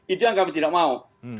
itu yang kami tidak mau